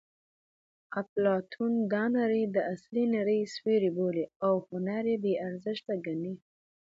اپلاتون دا نړۍ د اصلي نړۍ سیوری بولي او هنر یې بې ارزښته ګڼي